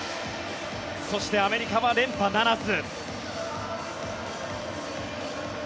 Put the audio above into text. そして、アメリカは連覇ならず。